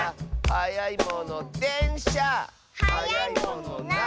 「はやいものなんだ？」